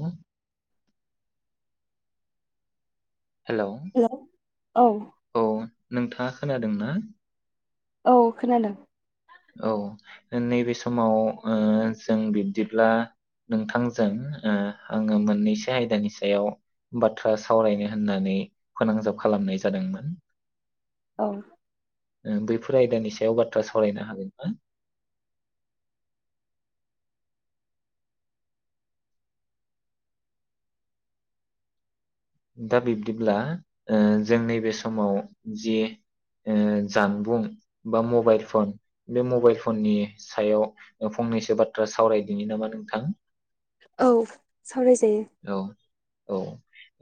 हा हेलौ औ औ नोंथाङा खोनादों ना? औ खोनादों औ नैबे समाव ओ जों बिब्दिब्ला नोंथांजों ओ आङो मोननैसो आयदानि सायाव बाथ्रा सावरायनो होननानै फोनांजाब खालामनाय जादोंमोन। औ बैफोर आयदानि सायाव बाथ्रा सावरायनो हागोन ना? दा बिब्दिब्ला ओ जों नैबे समाव जि ओ जानबुं बा मबाइल फन बे मबाइल फननि सायाव फंनैसो बाथ्रा सावरायदिनि नामा नोंथां। औ सावराय जायो। औ औ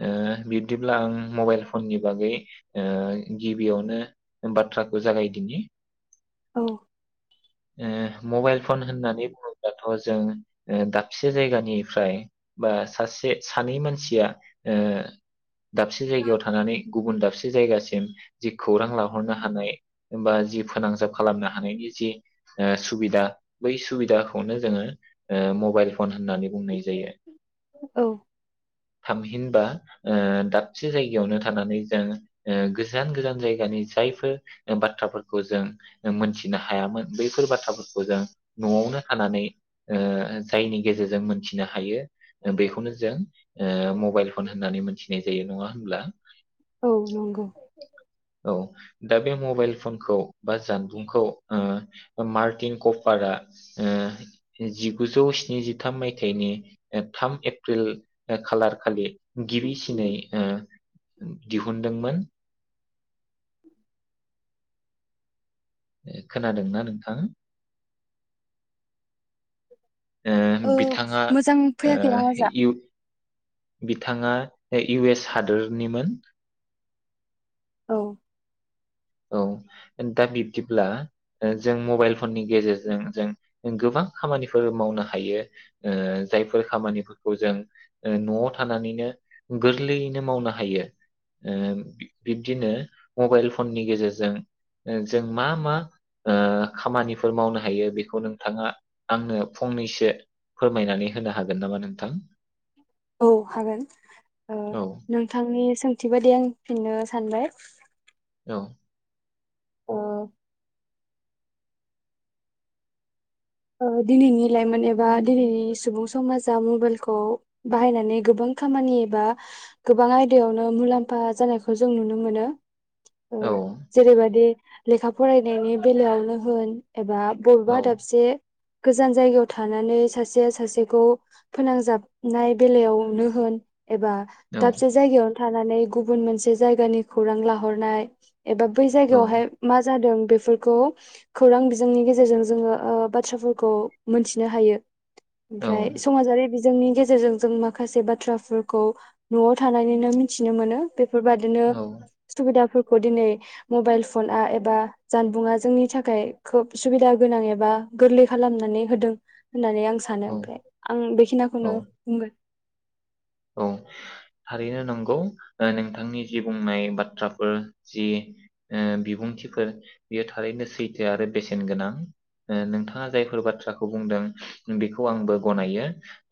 ओ बिब्दिब्ला आं मबाइल फननि बागै ओ गिबियावनो बाथ्राखौ जागायदिनि औ ओ मबाइल फन होननानै बुङोब्लाथ जों दाबसे जायगानिफ्राय बा सासे सानै मानसिया ओ दाबसे जायगायाव थानानै गुबुन दाबसे दाबसे जायगासिम जि खौरां लाहरनो हानाय बा जि फोनांजाब खालामनो हानायनि जि ओ सुबिदा बै सुबिदाखौनो जोङो ओ मबाइल फन होननानै बुंनाय जायो। औ थामहिनबा ओ दाबसे जायगायावनो थानानै जों गोजान गोजान जायगानि जायफोर बाथ्राफोरखौ जों मोनथिनो हायामोन बैफोर बाथ्राफोरखौ जों नयावनो थानानै ओ जायनि गेजेरजों मोनथिनो हायो बेखौनो जों मबाइल फन होननानै मोनथिनाय जायो नङा होनब्ला। औ नंगौ। औ दा बे मबाइल फनखौ बा जानबुंखौ उम मार्टिन कपारा ओ जिगुजौ स्निजिथाम माय थाइनि थाम एप्रिल खालारखालि गिबिसिनै ओ दिहुनदोंमोन खोनादोंना नोंथां? ओ बिथाङा मोजां ओ फैयाखै आवाजा इउत बिथाङा इउ एस हादोरनिमोन औ औ दा बिब्दिब्ला जों मबाइल फननि गेजेरजों जों गोबां खामानिफोर मावनो हायो ओ जायफोर खामानिफोरखौ जों ओ न'आव थानानैनो गोरलैयैनो मावनो हायो ओ बिब्दिनो मबाइल फननि गेजेरजों जों मा मा ओ खामानिफोर मावनो हायो बेखौ नोंथाङा आंनो फंनैसो फोरमायनानै होनो हागोन नामा नोंथां? औ हागोन ओ औ नोंथांनि सोंथि बायदि आं फिननो सानबाय। [inaudible] औ ओ ओ दिनैनि लाइमोन एबा दिनैनि सुबुं समाजा मबाइलखौ बाहायनानै गोबां खामानि एबा गोबां आयदायावनो मुलाम्फा जानायखौ जों नुनो मोनो। ओ औ जेरैबादि लेखा फरायनायनि बेलायावनो होन एबा औ बबेबा दाबसे गोजान जायगायाव थानानै सासेया सासेखौ फोनांजाबनाय बेलायावनो होन एबा औ दाबसे जायगायावनो थानानै गुबुन मोनसे जायगानि खौरां लाहरनाय एबा बै औ जायगायावहाय मा जादों बेफोरखौ खौरां बिजोंनि गेजेरजों जोङो ओ बाद थ्राफोरखौ मोनथिनो हायो औ ओमफ्राय समाजारि बि जोंनि गेजेरजों जों माखासे बाथ्राफोरखौ न'आव थानानैनो मिथिनो मोनो बे फोरबादिनो सुबिदा फो खौ दिनै मबाइल फन आ एबा जानबुङा जोंनि थाखाय खोब सुबिदा गोनां एबा गोरलै खालामनानै होदों होननानै आं सानो औ ओमफ्राय आं औ बेखिनियाखौनो बुंबाय औ थारैनो नंगौ नोंथांनि जि बुंनाय बाथ्राफोर जि ओ बिबुंथिफोर बेयो थारैनो सैथो आरो बेसेन गोनां नोंथाङा जायफोर बाथ्राखौ बुंदों बेखौ आंबो गनायो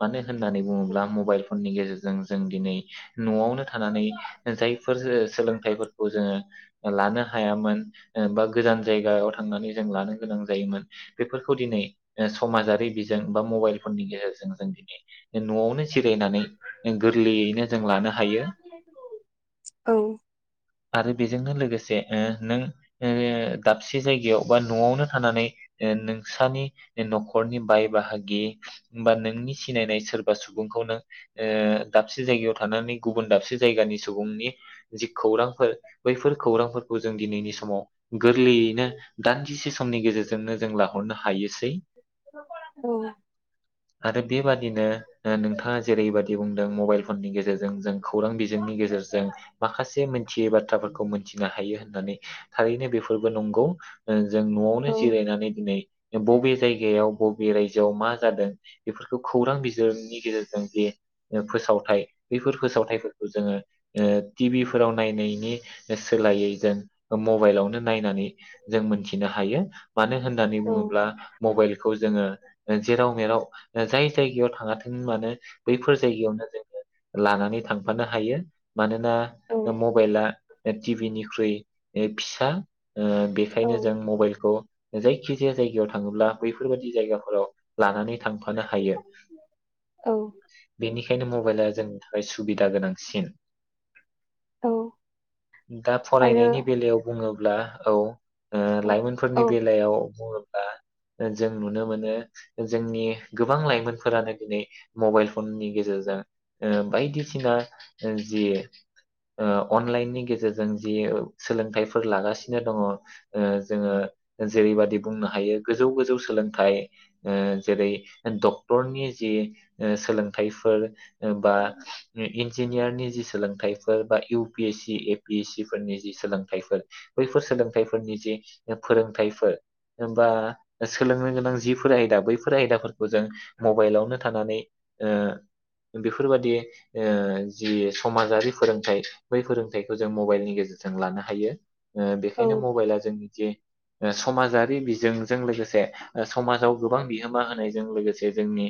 मानो होननानै बुङोब्ला मबाइल नि गेजेरजों जों दिनै न'आवनो था थानानै जायफोर सोलोंथाइफोरखौ जोङो लानो हायामोन बा गोजान जायगायाव थांनानै जों लानो गोनां जायोमोन बेफोरखौ दिनै समाजारि बिजों बा मबाइल फननि गेजेरजों जों दिनै जों न'आवनो जिरायनानै गोरलैयैनो जों लानो हायो औ आरो बेजोंनो लोगोसे ओ नों ओ दाबसे जायगायाव बा न'आवनो थानानै ओ नोंसानि न'खरनि बाय बाहागि बा नोंनि सिनायनाय सोरबा सुबुंखौनो ओ दाबसे जायगायाव थानानै गुबुन दाबसे जायगानि सुबुंनि जि खौरांफोर बैफोर खौरांफोरखौ जों दिनैनि समाव गोरलैयैनो दान्दिसे समनि गेजेरजोंनो जों लाहरनो हायोसै औ आरो बेबादिनो नोंथाङा जेरैबादि बुंदों मबाइल फननि गेजेरजों जों खौरां बिजोंनि गेजेरजों माखासे मोनथियै बाथ्राफोरखौ मोनथिनो हायो होननानै थारैनो बेफोरबो नंगौ। जों न'आवनो औ जिरायनानै दिनै बबे जायगायाव बबे राय जोआव मा जादों बेफोरखौ खौरां बिजोंनि गेजेरजों जे फोसावथाय बैफोर फोसावथायफोरखौ जोङो टि भि फोराव नायनायनि सोलायै जों मबाइलावनो नायनानै जों मोनथिनो हायो। मानो होननानै औ बुङोब्ला मबाइलखौ जोङो जेराव मेराव जाय जायगायाव थाङाथों मानो बैफोर जायगायावनो जोङो लानानै थांफानो हायो। मानोना औ मबाइला ओ टिभिनिख्रुइ ओ फिसा ओ औ बेखायनो जों मबाइलखौ जायखि जाया जायगायाव थाङोब्ला। बेैफोरबायदि जायगाफोराव लानानै थांफानो हायो। औ बेनिखायनो मबाइला जोंनि थाखाय सुबिदा गोनांसिन औ दा आरो फरायनायनि बेलायाव बुङो। ब्ला औ ओ औ लाइमोनफोरनि औ बेलायाव जों नुनो मोनो जोंनि गोबां लाइमोनफोरानो दिनै मबाइल फननि गेजेरजों बायदिसिना जि ओ अनलाइननि गेजेरजों जि सोलोंथाइफोर लागासिनो दङ ओ जोङो जेरैबाददि बुंनो हायो गोजौ गोजौ सोलोंथाइ ओ जेरै डक्टरनि जि सोलों थायफोर बा ओ इन्जिनियारनि जि सोलोंथाइफोर बा U P S C A P S C फोरनि जि सोलोंथाइफोर बैफोर सोलोंथाइफोरनि जि फोरोंथाइफोर बा सोलोंनो गोनां जिफोर आयदा बैफोर आयदाफोरखौ जों मबाइलावनो थानानै ओ बेफोरबादि ओ जि समाजारि फोरोंथाइ बै फोरों फिथाइखौ जों मबाइलनि गेजेरजों लानो हायो। ओ औ बेखायनो मबाइला जोंनि जे ओ समाजारि बिजोंजों लोगोसे ओ समाजाव गोबां बिहोमा होनायजों लोगोसे जोंनि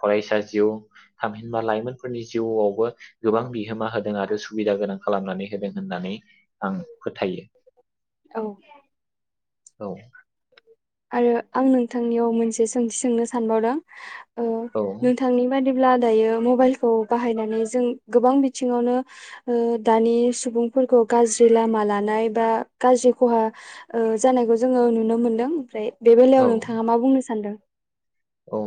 फरायसा जिउ थामहिनबा लाइमोनफोरनि जिउआवबो गोबां बि होमा होदों आरो सुबिदा गोनां खालामनानै होदों होननानै आं फोथायो औ औ आरो आं नोंथांनियाव मोनसे सोंथि सोंनो सानबावदों औ औ नोंथांनि बादि दिब्ला दायो मबाइलखौ बाहायनानै जों गोबां बिथिङावनो ओ दानि सुबुंफोरखौ गाज्रि लामा लानाय बा गाज्रि खहा ओ जानायखौ जोङो नुनो मोन मोन्दों ओमफ्राय बे बेलायाव औ नोंथाङा मा बुंनो सानदों? औ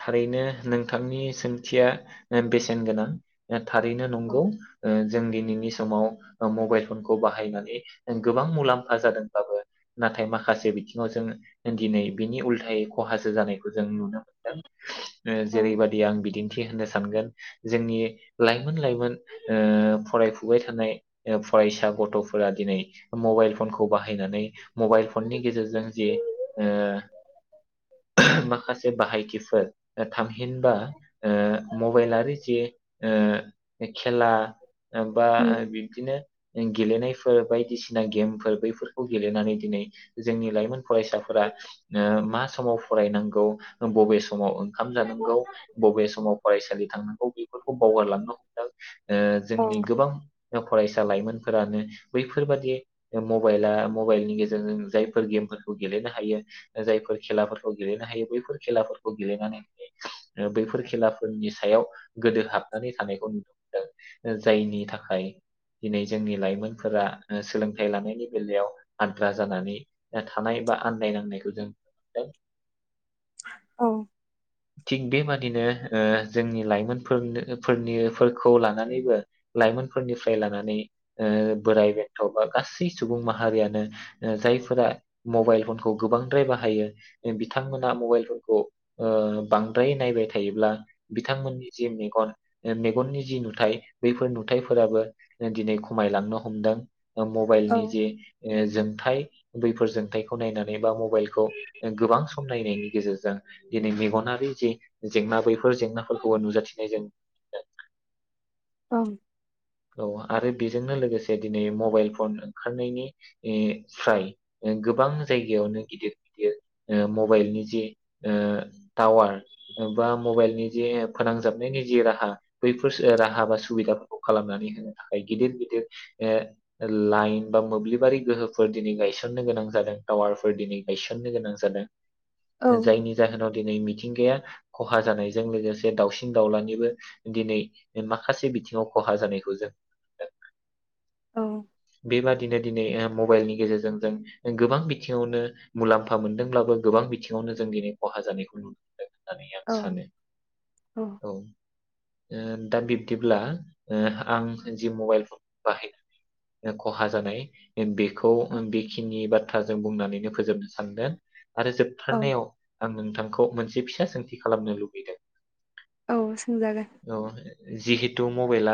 थारैनो नोंथांनि सोंथिया बेसेन गोनां थारैनो औ नंगौ जों दिनैनि समाव मबाइल फनखौ बाहायनानै गोबां मुलाम्फा जादोंबाबो नाथाय माखासे बिथिङाव जों दिनै बिनि उल्थायै खहासो जानाय जों नुनो मोनदों औ जेरैबायदि आं बिदिन्थि होनो सानगोन जोंनि लाइमोन लाइमोन फरायफुबाय थानाय फरायसा गथ'फोरा मबाइल फनखौ बाहायनानै मबाइल फननि गेजेरजों जि माखासे बाहायथिफोर थामहिनबा मबाइलारि जि खेला बा औ बिबदिनो गेलेनायफोर बायदिसिना गेमफोर बैफोरखौ गेलेनानै दिनै जोंनि लाइमोन फरायसाफोरा मा समाव फरायनांगौ बबे समाव ओंखाम जानांगौ बबे समाव फरायसालि थांनांगौ बेफोरखौ बावगारलांनो हमदों जोंनि औ गोबां फरायसा लाइमोनफोरानो बैफोरबादि मबाइला मबाइलनि गेजेरजों जायफोर गेमफोरखौ गेलेनो हायो जायफोर खेलाफोरखौ गेलेनो हायो बै खेलाफोरखौ गेलेनानै दिनै बैफोर खेलाफोरनि सायाव गोदो हाबनानै थानायखौ नुनो मोनदों जायनि थाखाय दिनै जोंनि लाइमोनफोरा सोलोंथाइ लानायनि बेलायाव आद्रा जानानै थानाय बा आनन्दायनांनायखौ जों नुनो मोनदों औ थिग बेबादिनो जोंनि लाइमोनफोर फोरनिफोरखौ लानानैबो लाइमोनफोरनिफ्राय लानानै बोराइ बेन्थ' बा गासै सुबुं माहारियानो जायफोरा मबाइल फनखौ गोबांद्राय बाहायो बिथांमोना मबाइल फन खौ बांद्रायै नायबाय थायोब्ला बिथांमोननि जि मेगन मेगननि जि नुथायाइ बैफोर नुथायाइफोराबो दिनै खमायलांनो हमदों मबाइलनि जे जोंथायाइ बैफोर जोंथाइखौ नायनानै बा मबाइलखौ गोबां सम नायनायनि गेजेरजों दिनै मेगनारि जि जेंना बैफोर जेंनाफोरखौबो नुजाथिनायजों औ औ आरो बेजोंनो लोगोसे दिनै मबाइल फन ओंखारनायनिफ्राय्र गोबां जायगायावनो गिदिर गिदिर मबाइलनि जे टावार बा मबाइलनि जे फोनांजाबनायनि जि राहा बैफोर राहा बा सुबिदाफोरखौ खालामनानै होनो थाखाय गिदिर गिदिर लाइन बा मोब्लिबारि गोहोफोर दिनै गायसननो गोनां जादों टावारफोर दिनै गायसननो गोनां जादों जायनि जाहोनाव दिनै मिथिंगाया खहा जानायजों लोगोसे दाउसिन दाउलानिबो दिनै माखासे बिथिङाव खहा जानायखौ जों बेबायदिनो दिनै मबाइलनि गेजेरजों जों गोबां बिथिङावनो मुलाम्फा मोनदोंब्लाबो गोबां बिथिङावनो जों दिनै खहा जानायखौ नुनो मोनदों होननानै आं सानो औ दा बिब्दिब्ला ओ आं जि मबाइल फन बाहायनानै खहा जानाय बे खौ बेखिनि बा थ्राजों बुंनानैनो फोबनो सानदों आरो औ जोबथारनायाव आं नोंथां खौ मोनसे फिसा सोंथि खालामनो लुबैदों औ सोंजागोन। अ जिहेतु मबाइला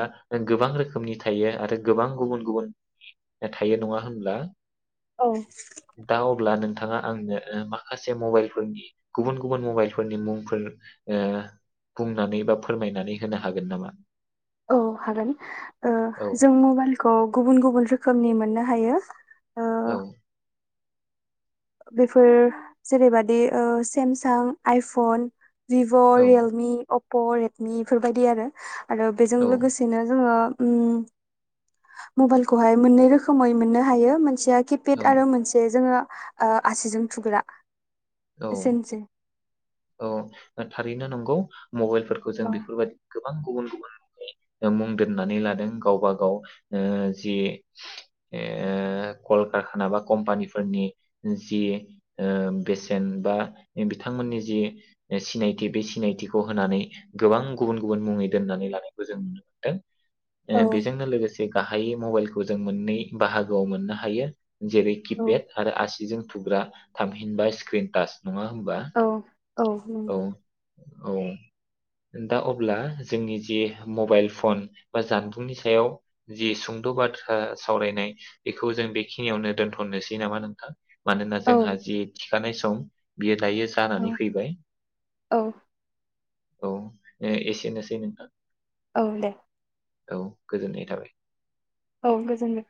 गोबां रोखोमनि थायो आरो गोबां गुबुन गुबुन थायो नङा होनब्ला औ दा अब्लानो नोंथाङा आंनो माखासे मबाइलफोरनि गुबुन गुबुन मबाइलफोरनि मुंफोर बुंनानै बा फोरमायनानै होनो हागोन नामा औ हागोन ओ औ जों मबाइलखौ गुबुन गुबुन रोखोमनि मो ननो हायो ओ औ बेफोर जेरैबादि सेमसां आइफन भिभ' औ रियेलमि अ प' रेडमि बेफोरबायदि आरो आरो बेजों औ लोगोसेनो जोङो मबाइलखौहाय मोननै रोखोमै मोननो हायो मोनसेया औ किपेड आरो मोनसे जोङो आसिजों थुग्रा औ एसेनोसै औ थारैनो नंगौ मबाइलफोरखौ जों औ बेफोरबादि गोबां गुबुन गुबुन मुं दोननानै लादों गावबा गावओ जि ओ कलखारखाना बा कमपानिफोरनि जि ओ यासे जेनबा बिथांमोननि जि सिनायथि बे सिनायथिखौ होनानै गोबां गुबुन गुबुन मुङै दोननानै लानायखौ जों नुनो मोन्दों। औ ए बेजोंनो लोगोसे बे गाहायै मबाइलखौ जों मोननै बाहागोआव मोननो हायो जेरै औ किपेड आरो आस सिजों थुग्रा थामहिनबा स स्क्रिनतास नङा होमबा औ औ औ दा अब्ला जोंनि जि मबाइल फन बा जानबुंनि सायाव जि सुंद' बाथ्रा सावरायनाय बेखौ जों बेखिनियावनो दोनथ'नोसै नामा नोंथां मानोना औ जोंहा जि थिखानाय सम बेयो दायो जानानै फैबाय औ औ एसेनोसै नोंथां। औ दे औ गोजोननाय थाबाय। औ गोजोन्थों।